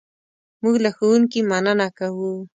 موږ له ښوونکي مننه کوو.